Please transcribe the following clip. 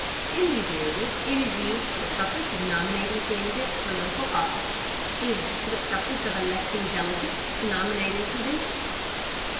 In these areas it is used for the purpose of nominating candidates for local offices, and for the purpose of electing delegates to nominating conventions.